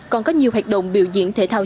còn có nhiều hoạt động biểu diễn thể thao